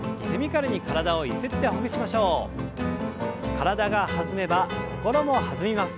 体が弾めば心も弾みます。